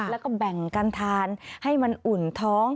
แล้วก็แบ่งการทานให้มันอุ่นท้อง